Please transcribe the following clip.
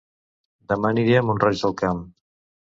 Dema aniré a Mont-roig del Camp